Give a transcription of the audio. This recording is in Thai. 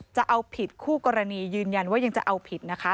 จะเอาผิดคู่กรณียืนยันว่ายังจะเอาผิดนะคะ